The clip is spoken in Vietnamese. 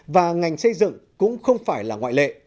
và ngành xây dựng cũng không phải là ngoại lệ